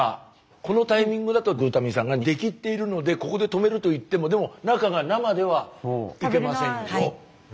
このタイミングだとグルタミン酸が出きっているのでここで止めるといってもでも中が生ではいけませんよ。